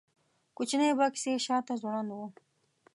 کوچنی بکس یې شاته ځوړند و.